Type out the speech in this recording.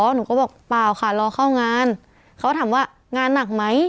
หนูก็บอกเปล่าค่ะรอเข้างานเขาถามว่างานหนักไหม